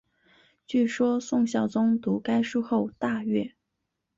据说宋孝宗读该书后大悦。